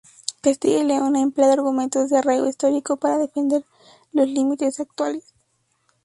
Castilla y León ha empleado argumentos de arraigo histórico para defender los límites actuales.